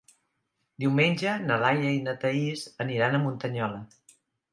Diumenge na Laia i na Thaís aniran a Muntanyola.